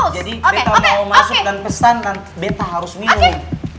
jadi beta mau masuk dan pesan kan beta harus minum